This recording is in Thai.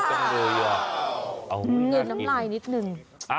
เอาหนึ่งน้ำลายนิดนึงอ้าวดีจังเลยอ่ะเอาหนึ่งน้ำลายนิดนึง